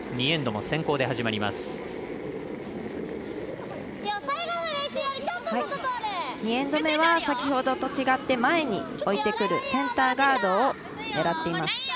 ２エンド目は先ほどと違って前に置いてくるセンターガードを狙っています。